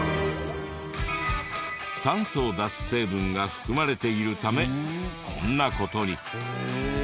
酸素を出す成分が含まれているためこんな事に。